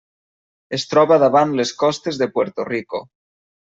Es troba davant les costes de Puerto Rico.